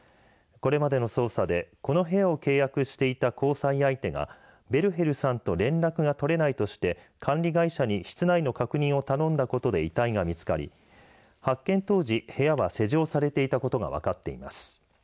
これまでの捜査でこの部屋を契約していた交際相手がベルヘルさんと連絡が取れないとして管理会社に室内の確認を頼んだことで遺体が見つかり、発見当時部屋は施錠されていたことが分かっています。